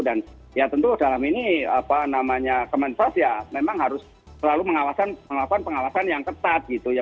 dan ya tentu dalam ini apa namanya kementerian sosial pertama ya memang harus selalu mengawasan mengalami pengawasan yang ketat gitu ya